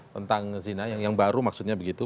tentang zina yang baru maksudnya begitu